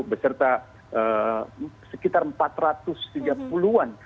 beserta sekitar empat ratus tiga puluh an